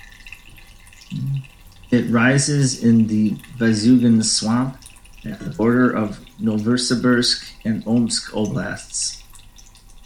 It rises in the Vasyugan Swamp at the border of Novosibirsk and Omsk oblasts.